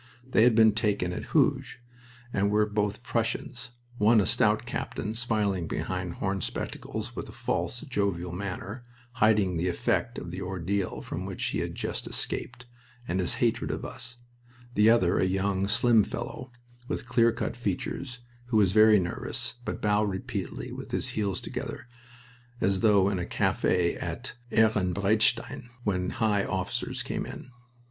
They had been taken at Hooge and were both Prussians one a stout captain, smiling behind horn spectacles, with a false, jovial manner, hiding the effect of the ordeal from which he had just escaped, and his hatred of us; the other a young, slim fellow, with clear cut features, who was very nervous, but bowed repeatedly, with his heels together, as though in a cafe at Ehrenbreitstein, when high officers came in.